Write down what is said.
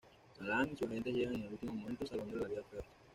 Salaam y sus agentes llegan en el último momento, salvándole la vida a Ferris.